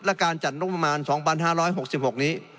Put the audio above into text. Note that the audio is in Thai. และการจัดงบประมาณ๒๕๖๖นี้